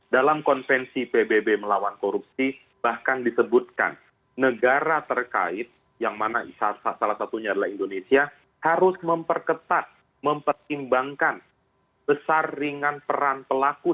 dalam konvensi pbb melawan korupsi bahkan disebutkan negara terkait yang mana salah satunya adalah indonesia harus memperketat mempertimbangkan besar ringan peran pelaku